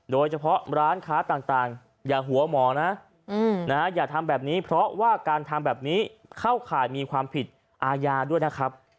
โดยเฉพาะร้านค้าต่างอย่าหัวหมอนะอย่าทำแบบนี้เพราะว่าการทำแบบนี้เข้าข่ายมีความผิดอาญาด้วยนะครับ